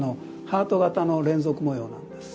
ハート形の連続模様です。